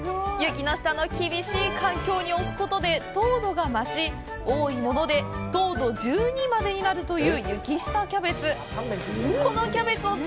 雪の下の厳しい環境に置くことで糖度が増し、多いもので糖度１２までになるという雪下キャベツ。